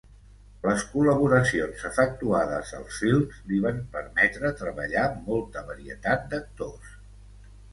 Les col·laboracions efectuades als films li van permetre treballar amb molta varietat d'actors.